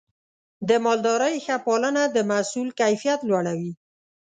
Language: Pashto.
د مالدارۍ ښه پالنه د محصول کیفیت لوړوي.